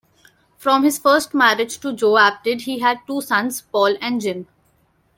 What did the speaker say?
From his first marriage to Jo Apted he had two sons, Paul and Jim.